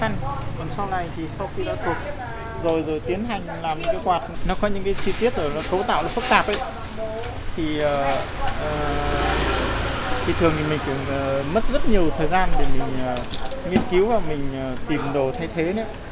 những chi tiết cấu tạo phức tạp thì thường mình mất rất nhiều thời gian để nghiên cứu và tìm đồ thay thế